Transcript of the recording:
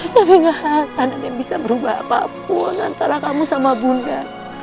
tapi gak ada yang bisa berubah apapun antara kamu sama bunda